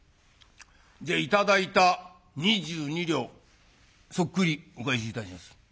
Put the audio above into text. じゃ頂いた２２両そっくりお返しいたしやす。